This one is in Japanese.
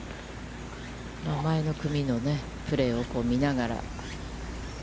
前の組のプレーを見ながら。